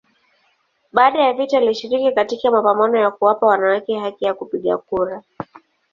Baada ya vita alishiriki katika mapambano ya kuwapa wanawake haki ya kupiga kura.